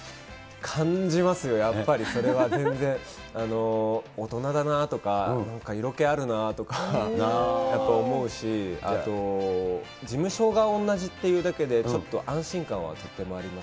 感じますよ、やっぱりそれは全然、大人だなとか、なんか色気あるなとか、やっぱ思うし、あと、事務所が同じっていうだけで、ちょっと安心感はとってもあります。